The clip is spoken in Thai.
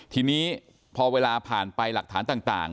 ทีนี้พอเวลาผ่านไปหลักฐานต่าง